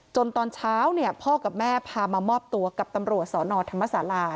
ตอนเช้าพ่อกับแม่พามามอบตัวกับตำรวจสนธรรมศาลา